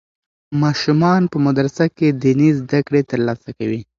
ماشومان په مدرسه کې دیني زده کړې ترلاسه کوي.